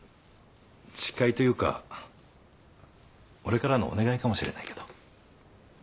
誓いというか俺からのお願いかもしれないけど。